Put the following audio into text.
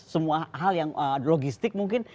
semua hal yang logistik mungkin